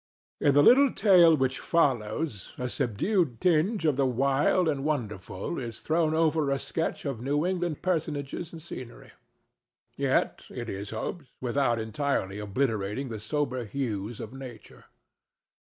In the little tale which follows a subdued tinge of the wild and wonderful is thrown over a sketch of New England personages and scenery, yet, it is hoped, without entirely obliterating the sober hues of nature.